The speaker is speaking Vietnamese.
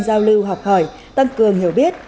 giao lưu học hỏi tăng cường hiểu biết